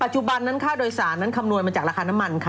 จุบันนั้นค่าโดยสารนั้นคำนวณมาจากราคาน้ำมันค่ะ